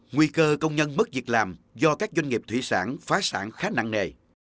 nguy cơ công nhân mất việc làm do các doanh nghiệp thủy sản phá sản khá nặng nề